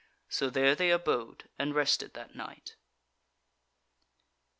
So there they abode and rested that night.